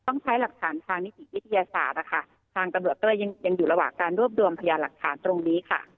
ต้องใช้หลักฐานทางนิติวิทยาศาสตร์นะคะทางตำรวจก็เลยยังอยู่ระหว่างการรวบรวมพยานหลักฐานตรงนี้ค่ะ